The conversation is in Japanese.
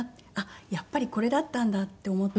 やっぱりこれだったんだって思って。